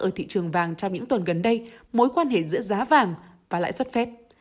ở thị trường vàng trong những tuần gần đây mối quan hệ giữa giá vàng và lãi suất phép